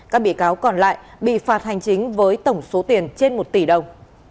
các bị cáo còn lại bị phạt hành chính với tổng số tiền trên một tỷ đồng